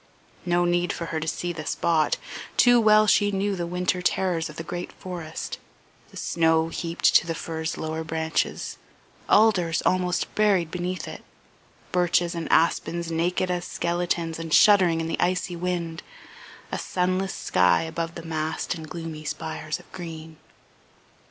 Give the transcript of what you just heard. No need for her to see the spot, too well she knew the winter terrors of the great forest, the snow heaped to the firs' lower branches, alders almost buried beneath it, birches and aspens naked as skeletons and shuddering in the icy wind, a sunless sky above the massed and gloomy spires of green.